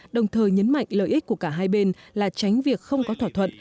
đồng thời nhấn mạnh lợi ích của cả hai bên là tránh việc không có thỏa thuận